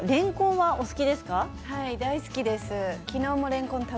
はい、大好きです。